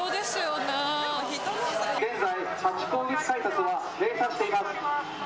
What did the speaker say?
現在、ハチ公口改札は閉鎖しています。